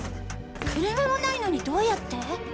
車もないのにどうやって？